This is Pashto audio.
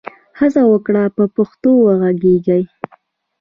هڅه وکړئ په پښتو وږغېږئ.